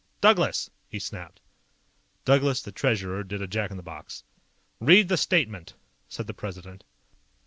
Douglas!" he snapped. Douglas, the Treasurer, did a jack in the box. "Read the statement," said the President.